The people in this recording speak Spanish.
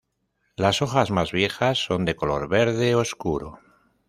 Las hojas más viejas son de color verde oscuro.